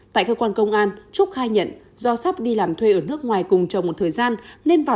tại cơ quan công an trúc khai nhận do sắp đi làm thuê ở nước ngoài cùng trong một thời gian